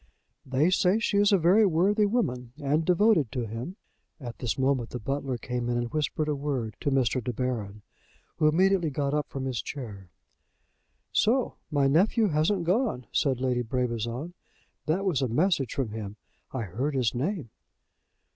They say she is a very worthy woman, and devoted to him." At this moment the butler came in and whispered a word to Mr. De Baron, who immediately got up from his chair. "So my nephew hasn't gone," said Lady Brabazon. "That was a message from him. I heard his name."